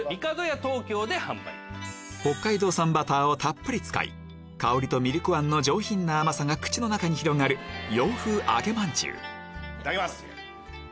北海道産バターをたっぷり使い香りとミルクあんの上品な甘さが口の中に広がる洋風揚げまんじゅういただきます！